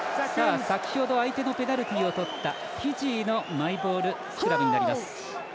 先ほど相手のペナルティをとったフィジーのマイボールスクラム。